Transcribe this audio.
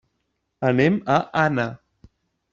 Anem a Anna.